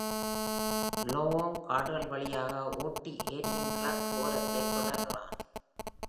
Illawong காடுகள் வழியாக ஓட்டி ஏரியின் கிழக்கு ஓரத்தை தொடர்கிறான்.